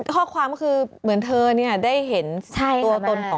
ข้อความก็คือเหมือนเธอเนี่ยได้เห็นตัวตนของ